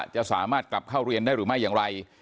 จะสามารถกลับเข้าเรียนได้หรือไม่อย่างไร